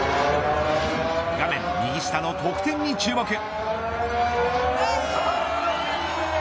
画面右下の得点に注目。